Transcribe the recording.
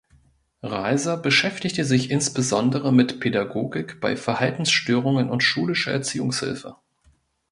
Reiser beschäftigte sich insbesondere mit Pädagogik bei Verhaltensstörungen und schulischer Erziehungshilfe.